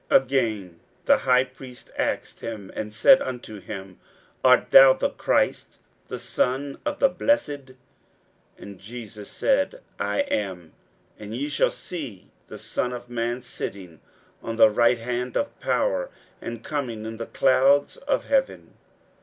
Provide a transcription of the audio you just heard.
Again the high priest asked him, and said unto him, Art thou the Christ, the Son of the Blessed? 41:014:062 And Jesus said, I am: and ye shall see the Son of man sitting on the right hand of power, and coming in the clouds of heaven.